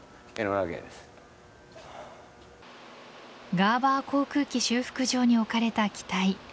ガーバー航空機修復場に置かれた機体